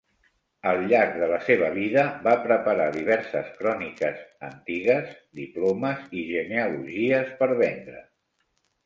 Al llarg de la seva vida va preparar diverses cròniques "antigues", diplomes i genealogies per vendre.